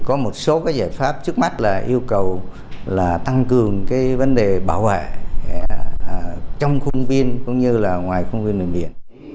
có một số giải pháp trước mắt là yêu cầu tăng cường vấn đề bảo vệ trong khung viên cũng như ngoài khung viên bệnh viện